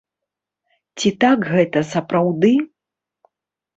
Ці так гэта сапраўды?